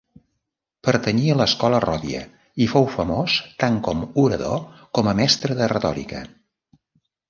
Pertanyia a l'escola ròdia, i fou famós tant com orador com a mestre de retòrica.